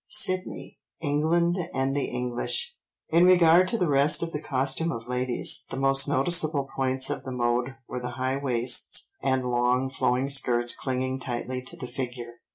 (Sydney, England and the English.) In regard to the rest of the costume of ladies, the most noticeable points of the mode were the high waists and long flowing skirts clinging tightly to the figure.